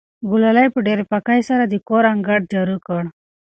ګلالۍ په ډېرې پاکۍ سره د کور انګړ جارو کړ.